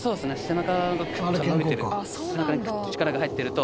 背中がクッと伸びてる背中にクッと力が入ってると。